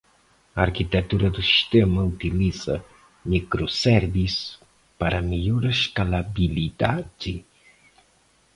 A arquitetura do sistema utiliza microservices para melhor escalabilidade.